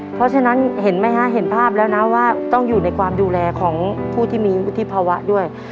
เพราะฉะนั้นเห็นไหมฮะเห็นภาพแล้วนะว่าต้องอยู่ในความดูแลของผู้ที่มีวุฒิภาวะด้วย